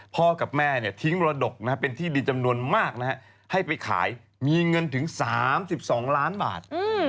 พ่อกับแม่ทิ้งมรดกเป็นที่ดินจำนวนมากให้ไปขายมีเงินถึง๓๒ล้านบาท